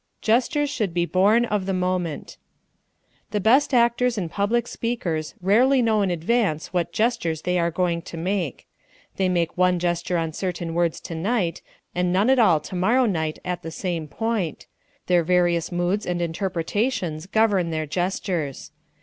Gestures Should Be Born of the Moment The best actors and public speakers rarely know in advance what gestures they are going to make. They make one gesture on certain words tonight, and none at all tomorrow night at the same point their various moods and interpretations govern their gestures.